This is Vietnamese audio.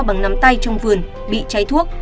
bằng nắm tay trong vườn bị trái thuốc